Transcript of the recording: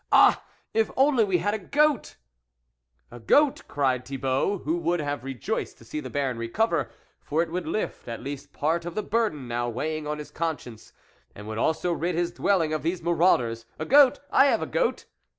Ah ! if only we had a goat !"" A goat ?" cried Thibault, who would have rejoiced to see the Baron recover, for it would lift at least part of the burden now weighing on his conscience, and would also rid his dwelling of these marauders. " A goat ? I have a goat